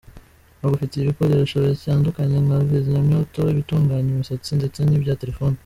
Bagufitiye ibikoresho bityandukanye nka Kizimyamoto, ibitunganya imisatsi ndetse n'ibya telefoni.